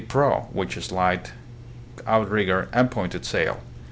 prau, with its light outrigger, and pointed sail.